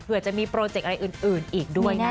เพื่อจะมีโปรเจกต์อะไรอื่นอีกด้วยนะคะ